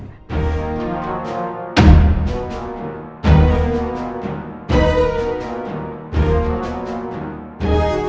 jadi haris udah cerita semuanya